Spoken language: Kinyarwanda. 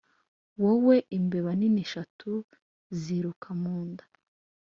wowe imbeba nini eshatu ziruka mu nda,